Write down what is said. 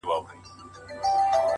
نه لري هيـڅ نــنــــگ’